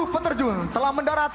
tujuh peterjun telah mendarat